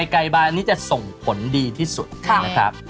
ไก่บานนี้จะส่งผลดีที่สุดนะครับ